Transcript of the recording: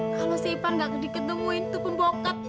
kalau si ipan gak diketemuin tuh pembokap